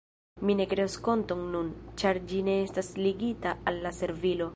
Mi ne kreos konton nun, ĉar ĝi ne estas ligita al la servilo.